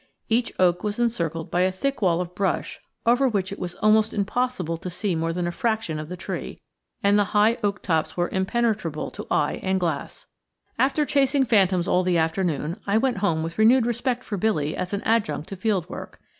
Each oak was encircled by a thick wall of brush, over which it was almost impossible to see more than a fraction of the tree, and the high oak tops were impenetrable to eye and glass. After chasing phantoms all the afternoon I went home with renewed respect for Billy as an adjunct to field work.